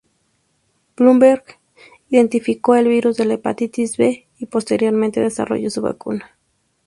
Blumberg identificó el virus de la Hepatitis B, y posteriormente desarrolló su vacuna.